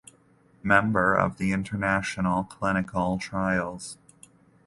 Member of international clinical trials.